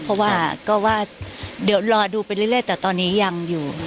เพราะว่าก็ว่าเดี๋ยวรอดูไปเรื่อยแต่ตอนนี้ยังอยู่